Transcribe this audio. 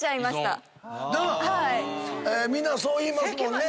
みんなそう言いますもんね。